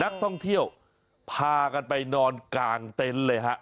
นักท่องเที่ยวพากันไปนอนกางเต้นเลยครับ